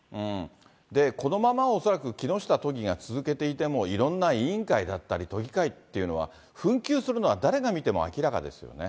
このまま恐らく木下都議が続けていても、いろんな委員会だったり、都議会っていうのは、紛糾するのは誰が見ても明らかですよね。